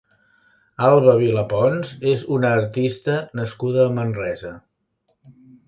Alba Vila Pons és una artista nascuda a Manresa.